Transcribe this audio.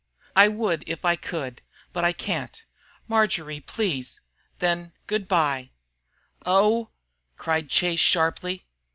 "I would if I could but I can't. Marjory, please " "Then good bye." "Oh!" cried Chase, sharply.